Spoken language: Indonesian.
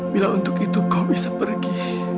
bila untuk itu kau bisa pergi